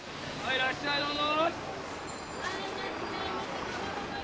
いらっしゃいどうぞ！